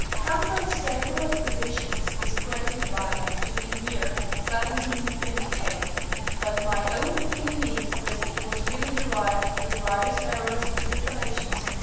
Campbell's table of positions is credited by him to the year 1728, but my Own opinion is that it was really derived (with various errors, interpolations, etc.)